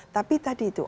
tapi tadi itu